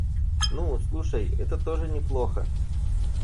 Ну, слушай, это тоже неплохо.